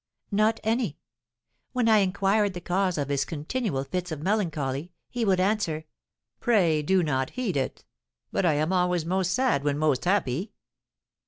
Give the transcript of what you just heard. "Not any. When I inquired the cause of his continual fits of melancholy, he would answer, 'Pray, do not heed it! But I am always most sad when most happy.'